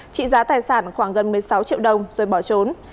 trị giá tài sản khoảng gần một mươi sáu triệu đồng rồi bỏ trốn